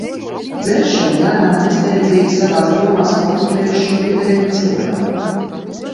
Dzeršu un lēnām, nesteidzīgi savās domās konstruēšu šo vidējo cilvēku.